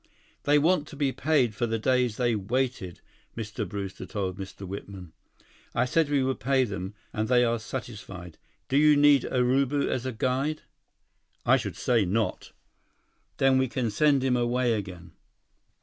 "They want to be paid for the days they waited," Mr. Brewster told Mr. Whitman. "I said we would pay them, and they are satisfied. Do you need Urubu as a guide?" "I should say not!" "Then we can send him away again."